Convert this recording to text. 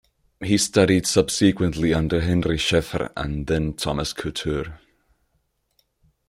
He studied subsequently under Henri Scheffer and then Thomas Couture.